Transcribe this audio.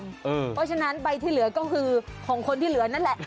เพราะฉะนั้นใบที่เหลือก็คือของคนที่เหลือนั่นแหละ